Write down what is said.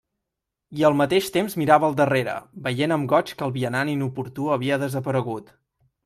I al mateix temps mirava al darrere, veient amb goig que el vianant inoportú havia desaparegut.